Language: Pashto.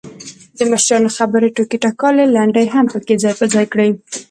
دمشرانو خبرې، ټوکې ټکالې، لنډۍ هم پکې ځاى په ځاى کړي.